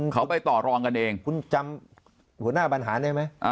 เขาไปต่อรองกันเองคุณจำหัวหน้าบรรหารได้ไหม